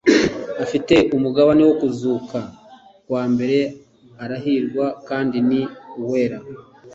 Ufite umugabane wo kuzuka kwa mbere arahirwa kandi ni uwera.